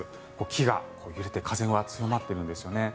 木が揺れて風が強まってるんですよね。